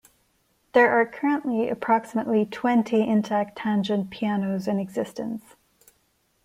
There are currently approximately twenty intact tangent pianos in existence.